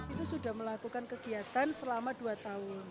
itu sudah melakukan kegiatan selama dua tahun